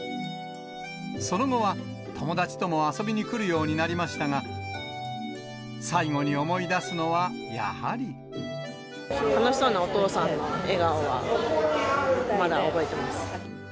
その後は友達とも遊びにくるようになりましたが、最後に思い出す楽しそうなお父さんの笑顔は、まだ覚えてます。